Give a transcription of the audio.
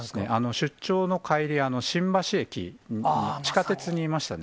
出張の帰り、新橋駅、地下鉄にいましたね。